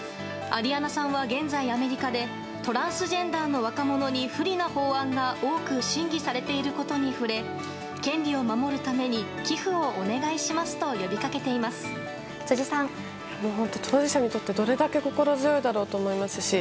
アリアナさんは、現在アメリカでトランスジェンダーの若者に不利な法案が多く審議されていることに触れ権利を守るために寄付をお願いしますと呼びかけています。